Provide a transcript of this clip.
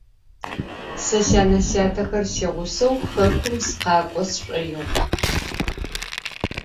Se syane - syatexer siğuseu xekum sıkhak'o sş'oiğu.